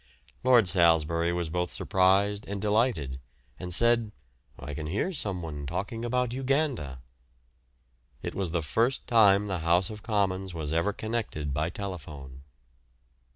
Lord Salisbury was both surprised and delighted, and said: "I can hear someone talking about Uganda." It was the first time the House of Commons was ever connected by telephone.